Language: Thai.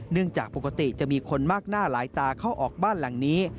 จากปกติจะมีคนมากหน้าหลายตาเข้าออกบ้านหลังนี้